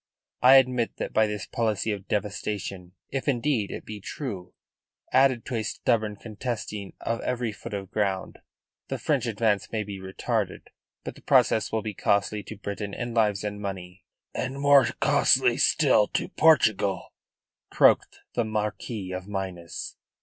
I admit that by this policy of devastation if, indeed, it be true added to a stubborn contesting of every foot of ground, the French advance may be retarded. But the process will be costly to Britain in lives and money." "And more costly still to Portugal," croaked the Marquis of Minas.